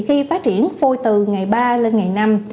khi phát triển phôi từ ngày ba lên ngày năm